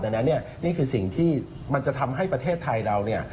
ดังนั้นเนี่ยนี่คือสิ่งที่มันจะทำให้ประเทศไทยเราเนี่ย